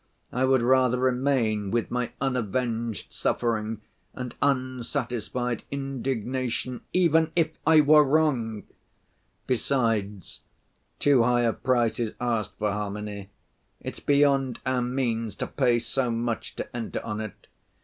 I would rather remain with my unavenged suffering and unsatisfied indignation, even if I were wrong. Besides, too high a price is asked for harmony; it's beyond our means to pay so much to enter on it.